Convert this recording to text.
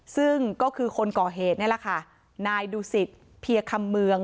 ซึ่งก็คือคนก่อเหตุนี่แหละค่ะนายดูสิตเพียคำเมือง